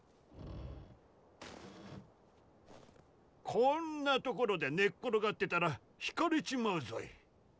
こんなところで寝っ転がってたらひかれちまうぞい！